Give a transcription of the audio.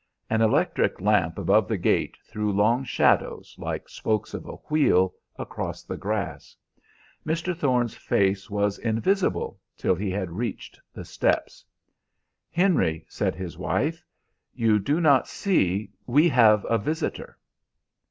An electric lamp above the gate threw long shadows, like spokes of a wheel, across the grass. Mr. Thorne's face was invisible till he had reached the steps. "Henry," said his wife, "you do not see we have a visitor."